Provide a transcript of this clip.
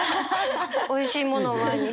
おいしいものを前にして。